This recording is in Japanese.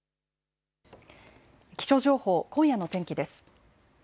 気象情報、今夜の天気です。